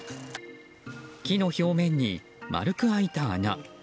木の表面に丸く開いた穴。